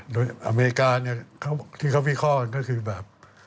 โดยอเมริกาเนี่ยที่เขาวิเคราะห์ก็คือแบบ